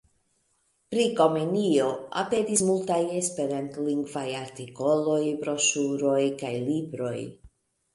Pri Komenio aperis multaj esperantlingvaj artikoloj, broŝuroj kaj libroj.